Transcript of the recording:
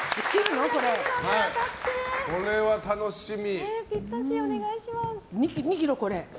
これは楽しみ。